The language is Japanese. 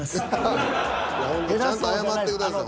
ほんとちゃんと謝ってください。